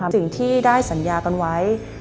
สิ่งที่ได้สัญญากันไว้